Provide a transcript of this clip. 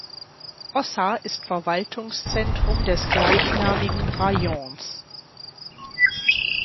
Ossa ist Verwaltungszentrum des gleichnamigen Rajons.